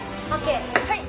はい！